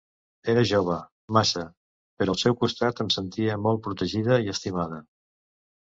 Era jove, massa... però al seu costat em sentia molt protegida i estimada...